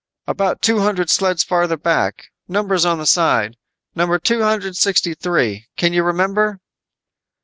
"About two hundred sleds farther back. Numbers on the side. Number two hundred sixty three. Can you remember?"